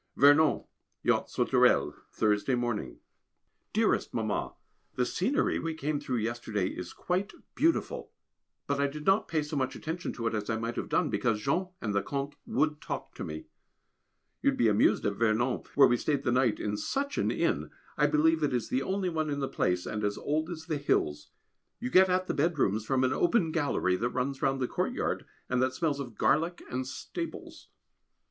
Vernon, Yacht Sauterelle, Thursday morning. [Sidenote: Vernon] Dearest Mamma, The scenery we came through yesterday is quite beautiful, but I did not pay so much attention to it as I might have done, because Jean and the Comte would talk to me. You would be amused at Vernon, where we stayed the night in such an inn! I believe it is the only one in the place, and as old as the hills. You get at the bedrooms from an open gallery that runs round the courtyard, and that smells of garlic and stables.